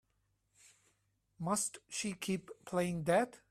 Must she keep playing that?